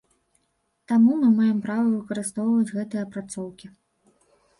Таму мы маем права выкарыстоўваць гэтыя апрацоўкі.